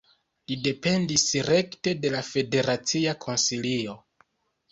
Li dependis rekte de la federacia Konsilio.